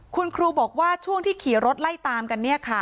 คุณครูบอกว่าช่วงที่ขี่รถไล่ตามกัน